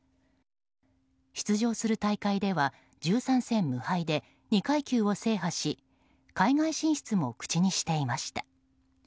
出場する大会では１３戦無敗で２階級を制覇し海外進出も口にしていました。